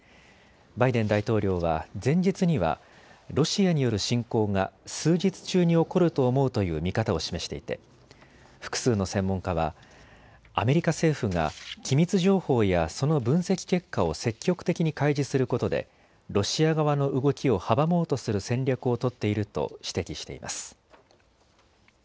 バイデン大統領は前日にはロシアによる侵攻が数日中に起こると思うという見方を示していて複数の専門家はアメリカ政府が機密情報やその分析結果を積極的に開示することでロシア側の動きを阻もうとする戦略を取っていると指摘しています。